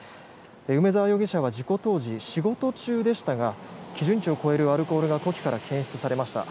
梅沢容疑者は事故当時仕事中でしたが基準値を超えるアルコールが呼気から検出されました。